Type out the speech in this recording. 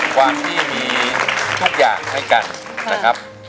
ความที่มีทุกอย่างให้กันนะครับ